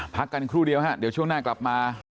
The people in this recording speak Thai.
พักกันครู่เดียวฮะเดี๋ยวช่วงหน้ากลับมา